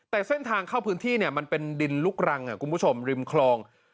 แต่เส้นทางเข้าพื้นที่เนี่ยมันเป็นดินลุกรังคุณผู้ชมริมคลอง